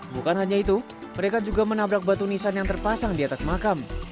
bukan hanya itu mereka juga menabrak batu nisan yang terpasang di atas makam